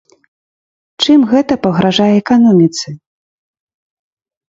Чым гэта пагражае эканоміцы?